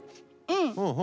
うん。